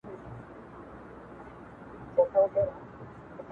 د ژوندون خواست یې کوه له ربه یاره .